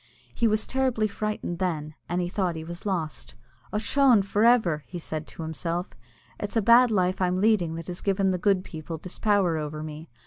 He was terribly frightened then, and he thought he was lost. "Ochone! for ever," said he to himself, "it's the bad life I'm leading that has given the good people this power over me.